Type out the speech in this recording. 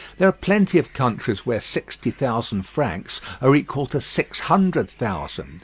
There are plenty of countries where sixty thousand francs are equal to six hundred thousand.